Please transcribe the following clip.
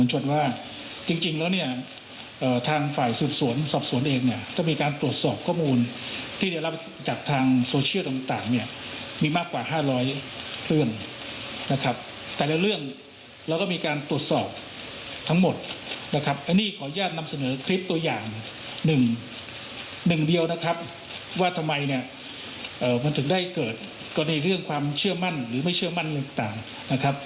หนึ่งเดียวนะครับว่าทำไมเนี่ยเอ่อมันถึงได้เกิดก็ในเรื่องความเชื่อมั่นหรือไม่เชื่อมั่นหรือต่างนะครับ